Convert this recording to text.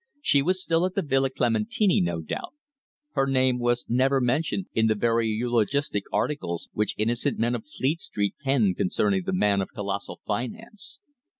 She was still at the Villa Clementini no doubt. Her name was never mentioned in the very eulogistic articles which innocent men of Fleet Street penned concerning the man of colossal finance.